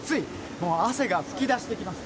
もう汗が噴き出してきます。